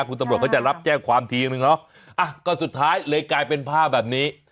คุณตำรวจเขาจะรับแจ้งความทีนึงเนาะอ่ะก็สุดท้ายเลยกลายเป็นภาพแบบนี้